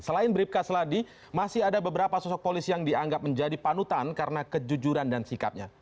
selain bribka seladi masih ada beberapa sosok polisi yang dianggap menjadi panutan karena kejujuran dan sikapnya